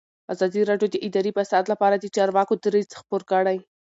ازادي راډیو د اداري فساد لپاره د چارواکو دریځ خپور کړی.